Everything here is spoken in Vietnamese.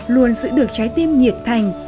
luôn giữ được trái tim nhiệt thành